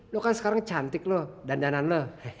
lo kan sekarang cantik lo dandanan lo